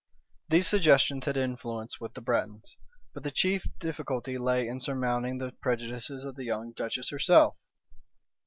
These suggestions had influence with the Bretons: but the chief difficulty lay in surmounting the prejudices of the young duchess herself.